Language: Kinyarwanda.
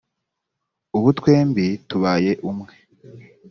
ubu twembi tubaye umwe